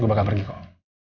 dia bakal pergi kok